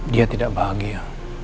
dia tidak bahagia